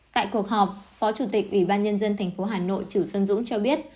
tại cuộc họp phó chủ tịch ủy ban nhân dân tp hà nội trừ xuân dũng cho biết